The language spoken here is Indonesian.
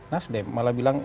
nasdem malah bilang